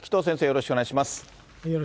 よろしくお願いします。